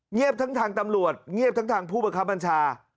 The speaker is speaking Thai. เงียบทั้งทางตำรวจเงียบทั้งทางผู้บังคับบัญชา